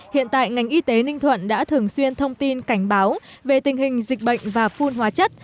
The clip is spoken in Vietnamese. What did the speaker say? hiện tại ngành y tế ninh thuận đã thường xuyên thông tin cảnh báo về tình hình dịch bệnh và phun hóa chất